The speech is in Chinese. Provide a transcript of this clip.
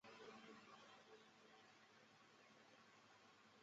亚军及季军分别是来自美国小姐的桑切斯及乌克兰的哈库沙。